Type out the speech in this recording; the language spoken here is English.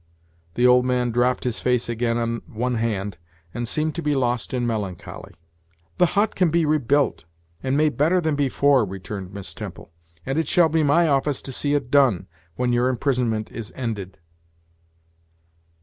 The old man dropped his face again on one hand, and seemed to be lost in melancholy. "The hut can be rebuilt, and made better than before," returned Miss Temple; "and it shall be my office to see it done, when your imprisonment is ended."